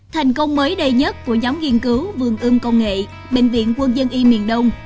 thành công mới đầy nhất của giám nghiên cứu vương ưng công nghệ bệnh viện quân dân y miền đông